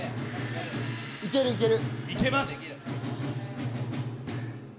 いけるいける。